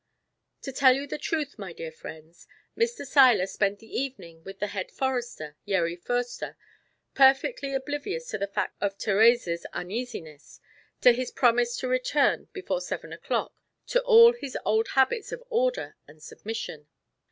To tell you the truth, my dear friends, Mr. Seiler spent the evening with the Head Forester, Yeri Foerster, perfectly oblivious to the fact of Therese's uneasiness, to his promise to return before seven o'clock, to all his old habits of order and submission.